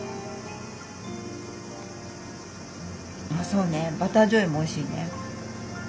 そうねバターじょうゆもおいしいね。